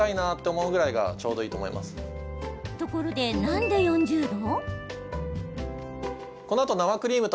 ところで、なんで４０度？